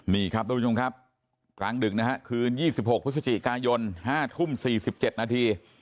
นี่ครับทุกผู้ชมครับกลางดึกนะฮะคืน๒๖พฤศจิกายน๕ทุ่ม๔๗นาที